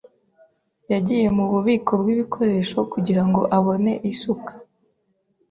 Yagiye mububiko bwibikoresho kugirango abone isuka.